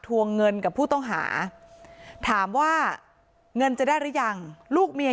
วงเงินกับผู้ต้องหาถามว่าเงินจะได้หรือยังลูกเมีย